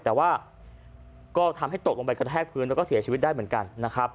แต่ว่าก็ทำให้ตกลงไปกระแทกพื้นแล้วก็เสียชีวิตได้เหมือนกันนะครับ